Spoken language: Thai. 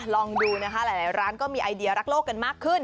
ลองดูนะคะหลายร้านก็มีไอเดียรักโลกกันมากขึ้น